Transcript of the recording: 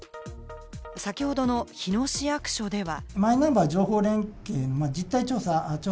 先ほどの日野市役所では。